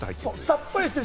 さっぱりしてる。